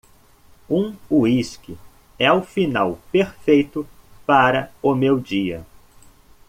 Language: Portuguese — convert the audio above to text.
Um uísque é o final perfeito para o meu dia.